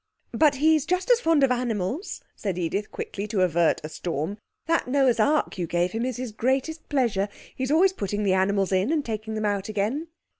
'But he's just as fond of animals,' said Edith quickly, to avert a storm. 'That Noah's Ark you gave him is his greatest pleasure. He's always putting the animals in and taking them out again.'